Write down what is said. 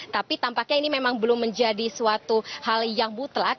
tapi tampaknya ini memang belum menjadi suatu hal yang mutlak